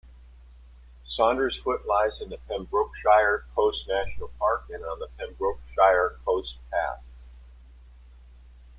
Saundersfoot lies in the Pembrokeshire Coast National Park and on the Pembrokeshire Coast Path.